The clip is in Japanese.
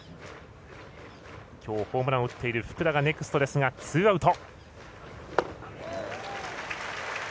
きょう、ホームランを打っている福田がネクストですがツーアウト。